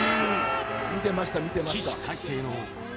見てました、見てました。